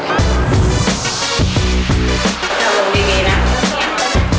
โจ๊กปลินซ์สินักงาน